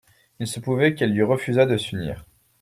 Il se pouvait qu'elle lui refusât de s'unir.